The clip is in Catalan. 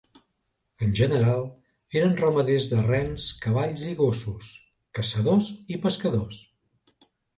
En general, eren ramaders de rens, cavalls i gossos, caçadors i pescadors.